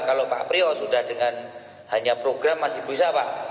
kalau pak prio sudah dengan hanya program masih bisa pak